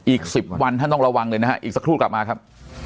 อีก๑๐วันท่านต้องระวังเลยนะฮะอีกสักครู่กลับมาครับ